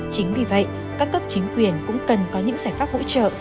chính vì vậy các cấp chính quyền cũng cần có những giải pháp hỗ trợ